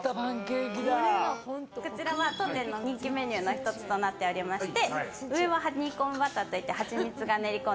こちらは当店の人気メニューの１つとなっておりまして。